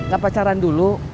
gak pacaran dulu